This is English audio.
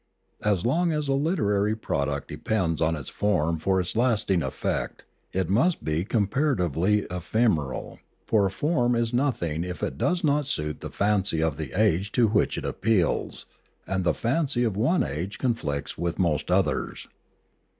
As long as a literary product depends on its form for its lasting effect, it must be comparatively ephemeral; for form is 4i8 Limanora nothing if it does not suit the fancy of the age to which it appeals, and the fancy of one age conflicts with most others.